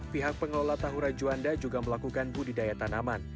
pihak pengelola tahura juanda juga melakukan budidaya tanaman